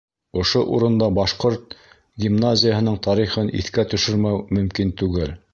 Ошо урында башҡорт гимназияһының тарихын иҫкә төшөрмәү мөмкин түгел.